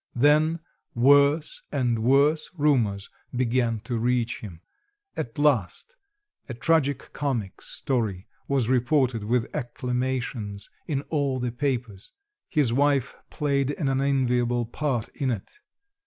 Then worse and worse rumors began to reach him; at last, a tragic comic story was reported with acclamations in all the papers. His wife played an unenviable part in it.